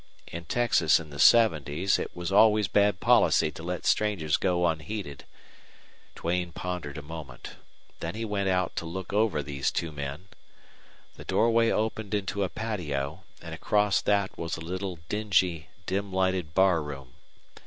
In Texas in the seventies it was always bad policy to let strangers go unheeded. Duane pondered a moment. Then he went out to look over these two men. The doorway opened into a patio, and across that was a little dingy, dim lighted bar room.